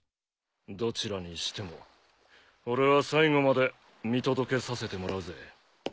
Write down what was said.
どちらにしても俺は最後まで見届けさせてもらうぜ。